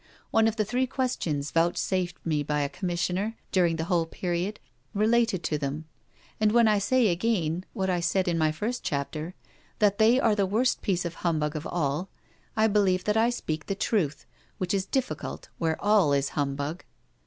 One of the three questions vouchsafed me by a Commissioner, during the whole period, related to them; and when I say again what I said in my first chapter, that they are the worst piece of humbug of all, I believe that I speak the truth, which is difficult where all is humbug.